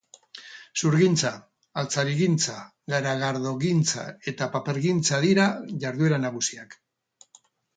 Zurgintza, altzarigintza, garagardogintza eta papergintza dira jarduera nagusiak.